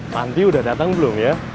nanti udah dateng belum ya